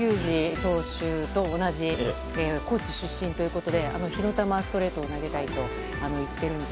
投手と同じ高知出身ということで火の玉ストレートを投げたいと言っているんです。